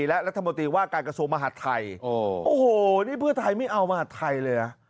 และรัฐมนตรีว่าการกระทรวงมหาดไทยโอ้โหนี่เพื่อไทยไม่เอามหาดไทยเลยนะ